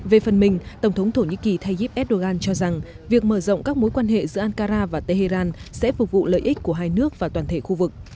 về phần mình tổng thống thổ nhĩ kỳ tayyip erdogan cho rằng việc mở rộng các mối quan hệ giữa ankara và tehran sẽ phục vụ lợi ích của hai nước và toàn thể khu vực